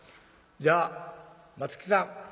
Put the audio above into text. じゃあ松木さん」。